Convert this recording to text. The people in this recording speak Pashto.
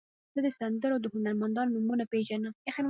زه د سندرو د هنرمندانو نومونه پیژنم.